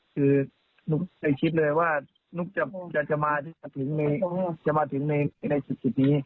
คือนุ๊กใส่คิดเลยว่านุ๊กจะมาถึงในสิ่งนี้